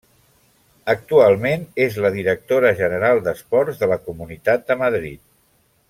Actualment és la directora general d'Esports de la Comunitat de Madrid.